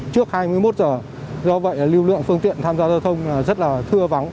trước hai mươi một giờ do vậy lưu lượng phương tiện tham gia giao thông rất là thưa vắng